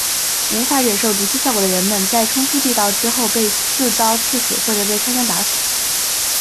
无法忍受毒气效果的人们在冲出地道口之后被刺刀刺死或者被开枪打死。